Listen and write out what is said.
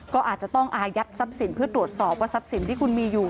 ก็อาจจะต้องอายัดทรัพย์สินเพื่อตรวจสอบว่าทรัพย์สินที่คุณมีอยู่